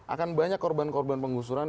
akan banyak korban korban penggusuran